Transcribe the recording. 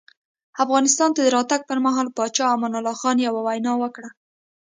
افغانستان ته د راتګ پر مهال پاچا امان الله خان یوه وینا وکړه.